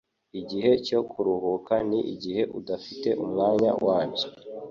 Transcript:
Igihe cyo kuruhuka ni igihe udafite umwanya wabyo.”